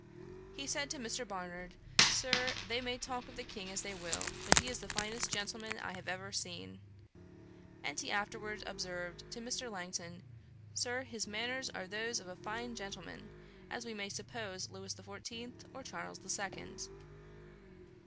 He said to Mr. Barnard, 'Sir, they may talk of the King as they will; but he is the finest gentleman I have ever seen.' And he afterwards observed to Mr. Langton, 'Sir, his manners are those of as fine a gentleman as we may suppose Lewis the Fourteenth or Charles the Second.'